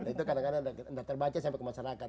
nah itu kadang kadang nggak terbaca sampai ke masyarakat